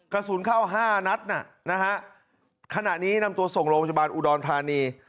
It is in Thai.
กระสุนเข้าห้านัดน่ะนะฮะขณะนี้นำตัวส่งโรงพยาบาลอุดรธานี